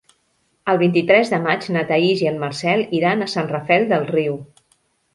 El vint-i-tres de maig na Thaís i en Marcel iran a Sant Rafel del Riu.